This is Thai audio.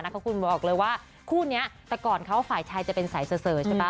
ก็คุณบอกเลยว่าคู่นี้ก่อนเขาฝ่ายชายจะเป็นใสเฉิดเสอนะค่ะ